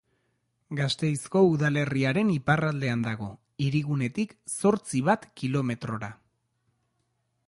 Gasteizko udalerriaren iparraldean dago, hirigunetik zortzi bat kilometrora.